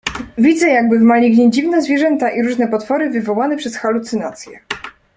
"Widzę jakby w malignie dziwaczne zwierzęta i różne potwory, wywołane przez halucynację."